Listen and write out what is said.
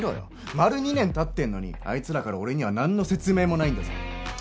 丸２年経ってるのにあいつらから俺にはなんの説明もないんだぞ。